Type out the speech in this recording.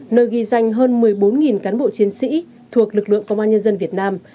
nơi ghi danh hơn một mươi bốn cán bộ chiến sĩ thuộc lực lượng công an nhân dân việt nam